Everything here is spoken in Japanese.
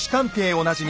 おなじみ